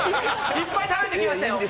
いっぱい食べてきましたよ。